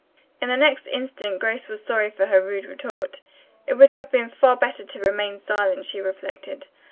In the next instant Grace was sorry for her rude retort. It would have been far better to remain silent, she reflected.